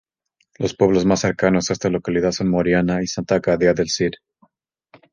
Los pueblos más cercanos a esta localidad son Moriana y Santa Gadea del Cid.